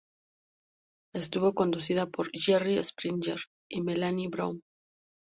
Estuvo conducida por Jerry Springer y Melanie Brown.